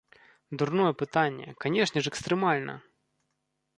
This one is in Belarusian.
Дурное пытанне, канешне ж экстрэмальна!